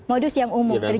modus yang umum terjadi